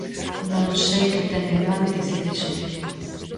Non sei que ten de malo dicir iso.